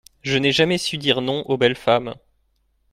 Je n’ai jamais su dire non aux belles femmes.